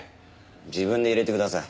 自分で入れてください。